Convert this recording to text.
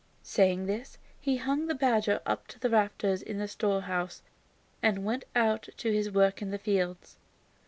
Saying this, he hung the badger up to the rafters of his storehouse and went out to his work in the fields.